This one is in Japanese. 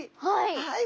はい。